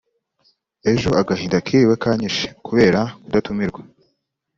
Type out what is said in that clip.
Ejo agahinda kiriwe kanyishe kubera kudatumirwa